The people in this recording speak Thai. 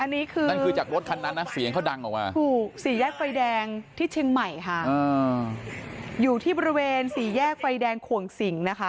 นี่คือสีแยกไฟแดงที่เชียงใหม่ค่ะอยู่ที่บริเวณสีแยกไฟแดงขวงสิงนะคะ